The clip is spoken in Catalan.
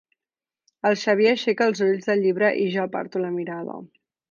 El Xavier aixeca els ulls del llibre i jo aparto la mirada.